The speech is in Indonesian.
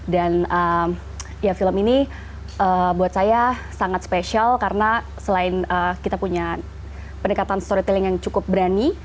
dan ya film ini buat saya sangat spesial karena selain kita punya pendekatan storytelling yang cukup berani